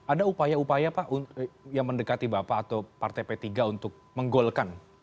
ada upaya upaya pak yang mendekati bapak atau partai p tiga untuk menggolkan